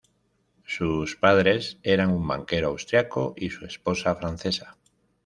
Sus padres eran un banquero austriaco y su esposa francesa.